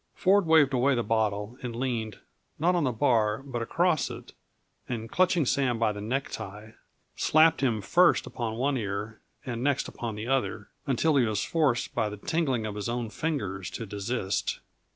Ford waved away the bottle and leaned, not on the bar but across it, and clutching Sam by the necktie, slapped him first upon one ear and next upon the other, until he was forced by the tingling of his own fingers to desist.